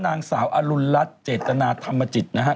นางสาวอรุณรัฐเจตนาธรรมจิตนะฮะ